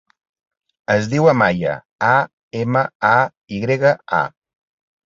Es diu Amaya: a, ema, a, i grega, a.